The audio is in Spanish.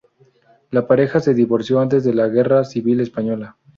La pareja se divorció antes de la Guerra Civil española.